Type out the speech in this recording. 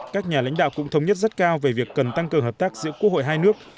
các nhà lãnh đạo cũng thống nhất rất cao về việc cần tăng cường hợp tác giữa quốc hội hai nước